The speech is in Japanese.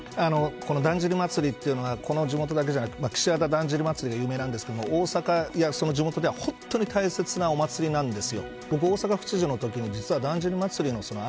だんじり祭りというのはこの地元だけじゃなく、岸和田のだんじり祭りが有名なんですが大阪や地元では本当に大切なお祭りなんです。